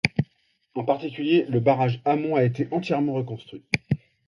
En particulier, le barrage amont a été entièrement reconstruit.